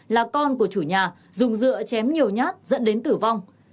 là con của chủ nhà dùng dựa chém nhiều nhát dẫn đến tử vong